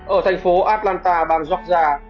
ở thành phố atlanta bang georgia